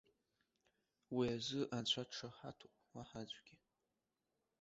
Уи азы анцәа дшаҳаҭуп, уаҳа аӡәгьы.